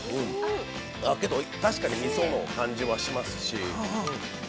けど、確かにみその感じはしますし。